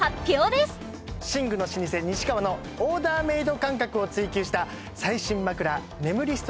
寝具の老舗西川のオーダーメード感覚を追求した最新枕眠りすと